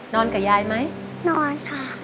นอนกับยายไหมปิ๊บนอนค่ะ